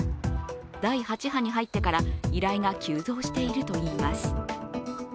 第８波に入ってから依頼が急増しているといいます。